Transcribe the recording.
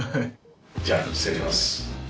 じゃあ失礼します。